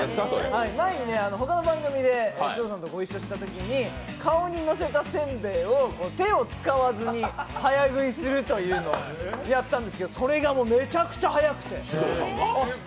前にほかの番組で獅童さんとご一緒にしたときに顔にのせたせんべいを手を使わずに早食いするというのをやったんですけどそれがもうめちゃくちゃ早くて。